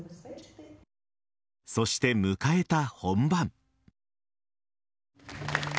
そして迎えた本番。